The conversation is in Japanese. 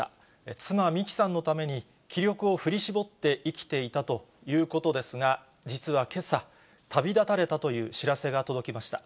妻、美紀さんのために気力を振り絞って生きていたということですが、実はけさ、旅立たれたという知らせが届きました。